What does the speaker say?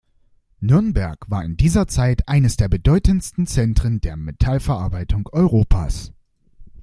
Nürnberg war in dieser Zeit eines der bedeutendsten Zentren der Metallverarbeitung Europas.